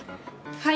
はい。